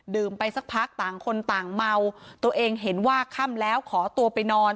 ไปสักพักต่างคนต่างเมาตัวเองเห็นว่าค่ำแล้วขอตัวไปนอน